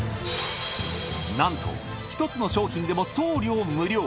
なんと１つの商品でも送料無料。